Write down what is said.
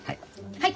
はい。